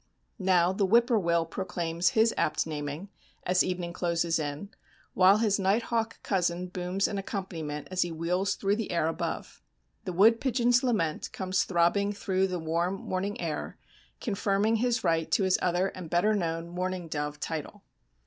Now the whippoorwill proclaims his apt naming, as evening closes in, while his nighthawk cousin booms an accompaniment as he wheels through the air above. The wood pigeon's lament comes throbbing through the warm morning air, confirming his right to his other and better known "mourning dove" title.